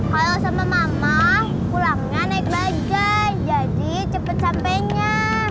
kalau sama mama pulangnya naik bajaj jadi cepet sampenya